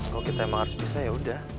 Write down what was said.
kalau kita emang harus bisa yaudah